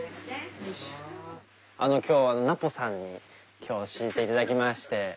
今日はナポさんに今日は教えて頂きまして。